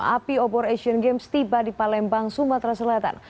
api obor asian games tiba di palembang sumatera selatan